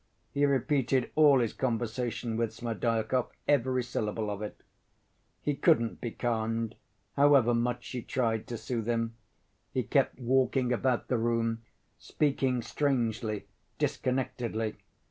He repeated all his conversation with Smerdyakov, every syllable of it. He couldn't be calmed, however much she tried to soothe him: he kept walking about the room, speaking strangely, disconnectedly.